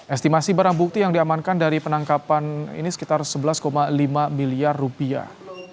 estimasi barang bukti yang diamankan dari penangkapan ini sekitar sebelas lima miliar rupiah